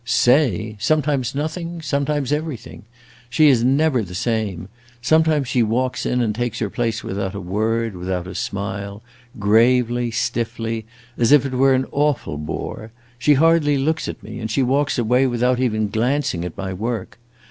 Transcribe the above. "Say? Sometimes nothing sometimes everything. She is never the same. Sometimes she walks in and takes her place without a word, without a smile, gravely, stiffly, as if it were an awful bore. She hardly looks at me, and she walks away without even glancing at my work.